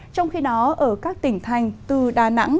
trong khi đó ở các tỉnh thành từ đà nẵng